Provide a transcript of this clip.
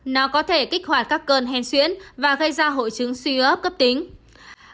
nó có thể kích hoạt các cơn hen xuyến và gây ra hội chứng suy ướp cấp tính